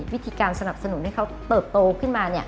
วิธีการสนับสนุนให้เขาเติบโตขึ้นมา